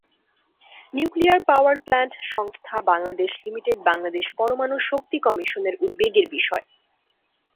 Nuclear power plant সংস্থা Bangladesh limited Bangladesh পরমাণু শক্তি কমিশনের উদ্বেগের বিষয়।